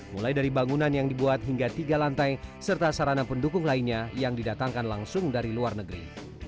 mulai dari bangunan yang dibuat hingga tiga lantai serta sarana pendukung lainnya yang didatangkan langsung dari luar negeri